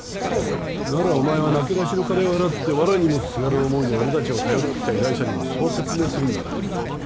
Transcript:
ならお前はなけなしの金を払ってわらにもすがる思いで俺たちを頼ってきた依頼者にもそう説明するんだな。